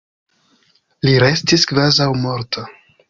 Li restis kvazaŭ morta.